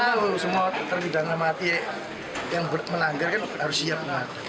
tahu tahu semua terpidana mati yang menanggarkan harus siap